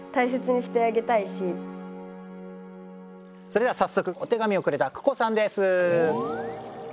それでは早速お手紙をくれたＫＵＫＯさんです。